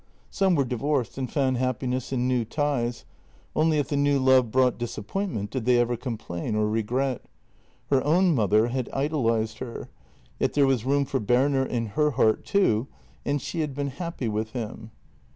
Some were divorced, and found happiness in new ties; only if the new love brought disappointment did they ever complain or regret. Her own mother had idolized her — yet there was room for Berner in her heart too, and she had been happy with him.